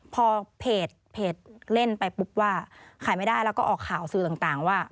พอเพจเล่นไปปุ๊บว่าขายไม่ได้แล้วก็ออกข่าวสื่อต่างว่า